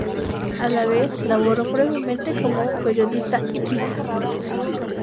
A la vez, laboró brevemente como periodista hípica.